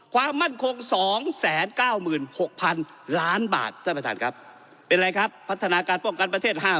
ความมั่นคง๒๙๖๐๐๐ล้านบาทท่านประธานครับเป็นอะไรครับพัฒนาการป้องกันประเทศ๕๐